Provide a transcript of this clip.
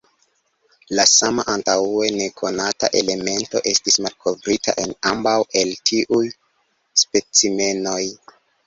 La sama antaŭe nekonata elemento estis malkovrita en ambaŭ el tiuj specimenoj.